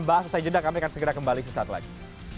bahas sesedang kami akan segera kembali sesaat lagi